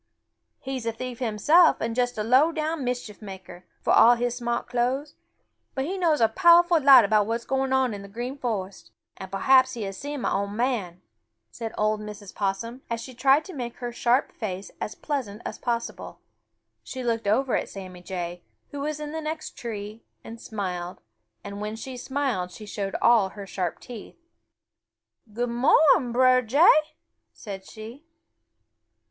"He's a thief himself and just a low down mischief maker, for all his smart clo'es, but he knows a powerful lot about what is going on in the Green Forest, and perhaps he has seen mah ol' man," said old Mrs. Possum, as she tried to make her sharp face as pleasant as possible. She looked over at Sammy Jay, who was in the next tree, and smiled, and when she smiled she showed all her sharp teeth. "Good mo'ning, Brer Jay," said she.